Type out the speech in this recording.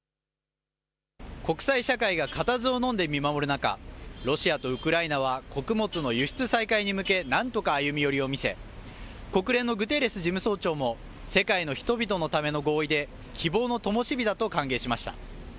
国際社会が固唾をのんで見守る中、ロシアとウクライナは穀物の輸出再開に向け、なんとか歩み寄りを見せ、国連のグテーレス事務総長も、世界の人々のための合意で、希望のともし火だと歓迎しました。